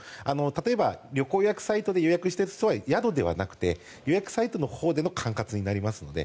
例えば旅行予約サイトで予約した人は宿ではなく予約サイトのほうでの管轄となるので。